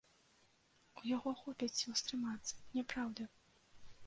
У яго хопіць сілы стрымацца, няпраўда!